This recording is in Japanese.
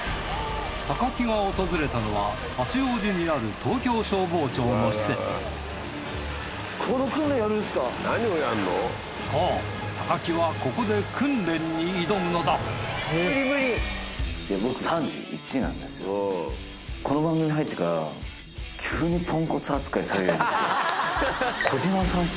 木が訪れたのは八王子にある東京消防庁の施設そう木はここで訓練に挑むのだ児嶋さんと。